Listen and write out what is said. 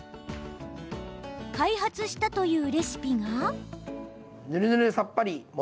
開発したというレシピが。